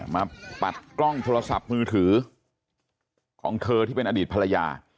ปัดกล้องโทรศัพท์มือถือของเธอที่เป็นอดีตภรรยา